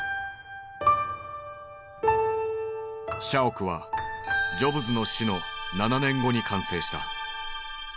社屋はジョブズの死の７年後に完成した。